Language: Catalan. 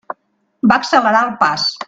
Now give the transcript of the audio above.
Va accelerar el pas.